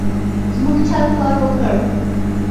زموږ چل کار ورکړ.